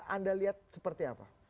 anda lihat seperti apa